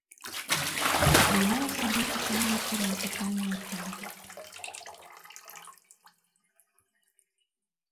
Ўяўляе сабой пісанне ў форме пытанняў-адказаў.